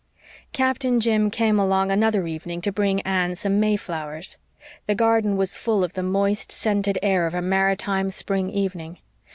Captain Jim came along another evening to bring Anne some mayflowers. The garden was full of the moist, scented air of a maritime spring evening.